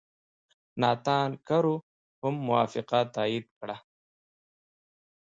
ناتان کرو هم موافقه تایید کړه.